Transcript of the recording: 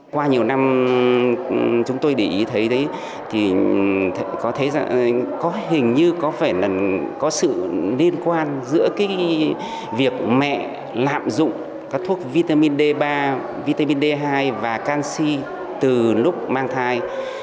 qua nhiều năm chúng tôi để ý thấy hình như có phải là có sự liên quan giữa việc mẹ lạm dụng các thuốc vitamin d ba vitamin d hai và canxi từ lúc mang thai